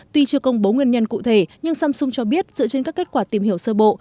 tuy chưa công bố nguyên nhân cụ thể nhưng samsung cho biết dựa trên các kết quả tìm hiểu sơ bộ